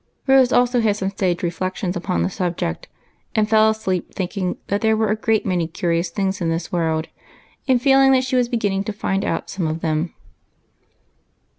Rose also had some sage reflections upon the sub ject, and fell asleep thinking that there were a great many curious things in this world, and feeling that she was beginning to find out some of them.